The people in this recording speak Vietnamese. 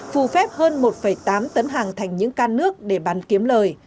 phù phép hơn một tám tấn hàng thành những can nước để bán kiếm lời